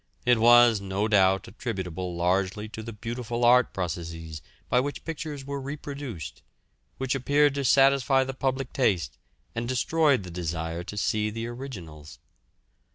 It was no doubt attributable largely to the beautiful art processes by which pictures were reproduced, which appeared to satisfy the public taste and destroyed the desire to see the originals.